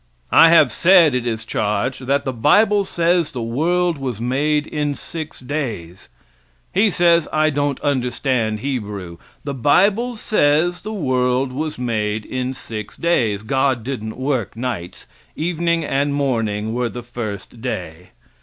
I have said, it is charged, that the bible says the world was made in six days. He says I don't understand Hebrew. The bible says the world was made in six days. God didn't work nights evening and morning were the first day.